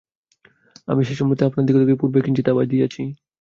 আমি সেই সম্বন্ধে আপনাদিগকে পূর্বেই কিঞ্চিৎ আভাস দিয়াছি।